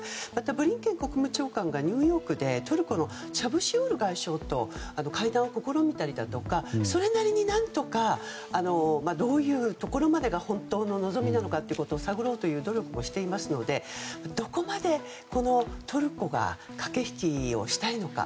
ブリンケン国務長官がニューヨークでトルコのチャブシオール外相と会談を試みたりだとかそれなりに、何とかどういうところまでが本当の望みなのか探ろうという努力をしていますので、どこまでトルコが駆け引きをしたいのか。